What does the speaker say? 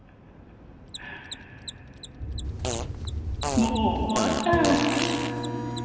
もう終わりだよ。